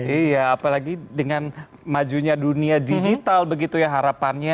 iya apalagi dengan majunya dunia digital begitu ya harapannya